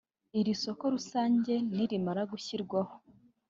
Iri soko rusange nirimara gushyirwaho